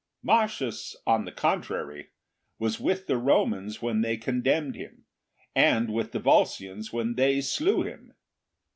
Marcius, on the contrary, was with the Romans when they condemned him, and with the Volscians when they slew him.